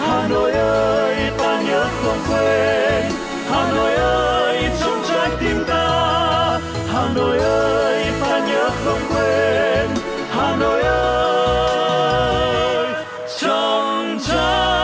hà nội ơi ta nhớ không quên hà nội ơi trong trái tim ta